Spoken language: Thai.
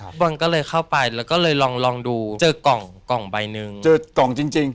บอลก็เลยเข้าไปแล้วก็เลยลองลองดูเจอกล่องกล่องใบหนึ่งเจอกล่องจริงจริง